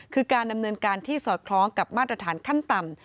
คือการดำเนินการที่สอดคล้องกับมาตรฐานขั้นต่ำ